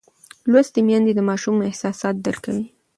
لوستې میندې د ماشوم احساسات درک کوي.